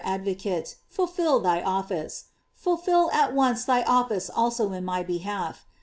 advocate, fulfil thy office.f Fulfil at once thy office also in my behalf.